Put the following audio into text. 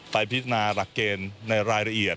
ไปพิจกินหลักเณณในรายละเอียด